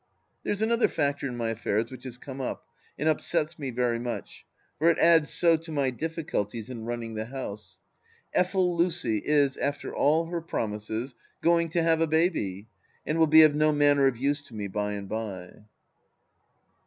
There is another factor in my affairs which has come up, and upsets me very much, for it adds so to my difiiculties in running the house. Effel Lucy is, after all her promises, going to have a baby, and will be of no manner of use to me by and by.